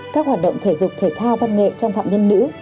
các hoạt động thể dục thể thao văn nghệ trong phạm nhân nữ